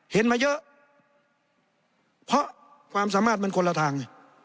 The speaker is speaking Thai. เห็นมาเยอะเพราะความสามารถมันคนละทาง